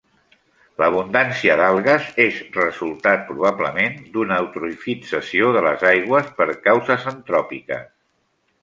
L'abundància d'algues és resultat, probablement, d'una eutrofització de les aigües per causes antròpiques.